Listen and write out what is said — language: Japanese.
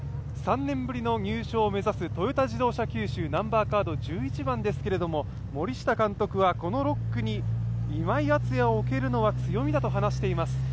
３年ぶりの入賞を目指すトヨタ自動車九州、１１番ですけど、森下監督はこの６区に今井篤弥を置けるのは強みだと話しています。